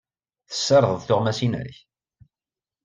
Tessardeḍ tuɣmas-nnek?